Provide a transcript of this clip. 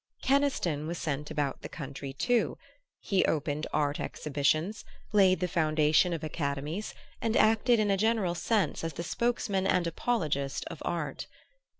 Keniston was sent about the country too: he opened art exhibitions, laid the foundation of academies, and acted in a general sense as the spokesman and apologist of art.